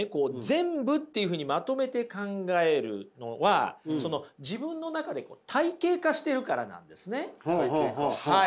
全部っていうふうにまとめて考えるのは自分の中で体系化してるからなんですね。